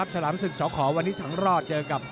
สลามสึกสหคอวันนี้สังรอด